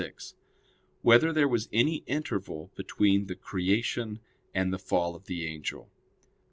6] Whether There Was Any Interval Between the Creation and the Fall of the Angel?